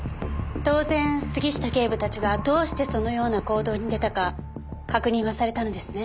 当然杉下警部たちがどうしてそのような行動に出たか確認はされたのですね？